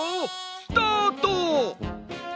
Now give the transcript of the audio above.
スタート。